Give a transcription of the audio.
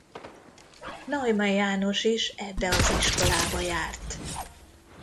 Neumann János is ebbe az iskolába járt.